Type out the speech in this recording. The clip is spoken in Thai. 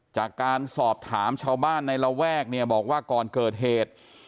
จากการสอบถามชาวบ้านในระแวกเนี่ยบอกว่าก่อนเกิดเหตุ